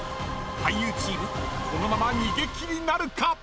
［俳優チームこのまま逃げ切りなるか？］